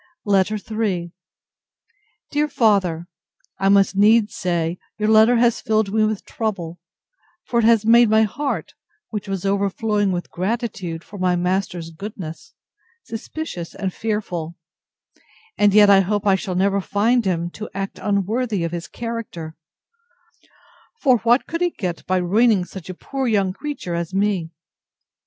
LETTER III DEAR FATHER, I must needs say, your letter has filled me with trouble, for it has made my heart, which was overflowing with gratitude for my master's goodness, suspicious and fearful: and yet I hope I shall never find him to act unworthy of his character; for what could he get by ruining such a poor young creature as me?